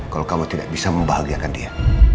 kalau kamu tidak bisa membahagiakan dia